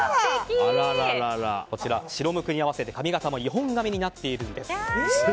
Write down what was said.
こちら白無垢に合わせて髪形も日本髪になっているんです。